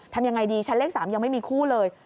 ทำยังไงดีชั้นเลข๓ยังไม่มีคู่เลย